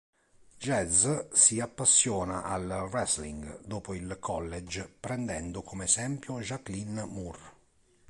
Jazz si appassiona al wrestling dopo il college prendendo come esempio Jacqueline Moore.